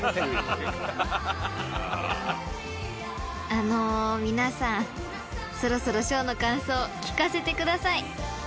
［あのー皆さんそろそろショーの感想聞かせてください］